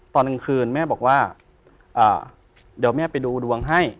ตอนกลางคืนแม่บอกว่าเดี๋ยวแม่ไปดูดวงให้